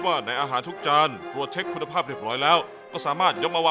เราจะคอยความความคิดมากก็ได้